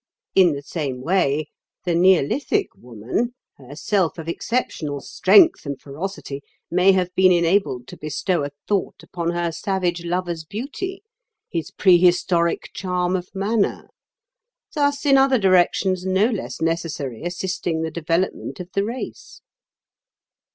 In the same way the Neolithic woman, herself of exceptional strength and ferocity, may have been enabled to bestow a thought upon her savage lover's beauty, his prehistoric charm of manner; thus in other directions no less necessary assisting the development of the race."